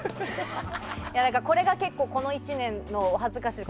だから、これがこの１年のお恥ずかしい。